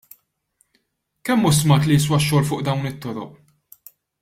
Kemm hu stmat li jiswa x-xogħol fuq dawn it-toroq?